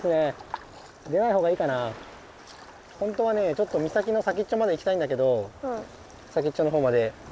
ちょっと岬の先っちょまで行きたいんだけど先っちょのほうまで。